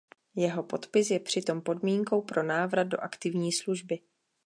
Jeho podpis je přitom podmínkou pro návrat do aktivní služby.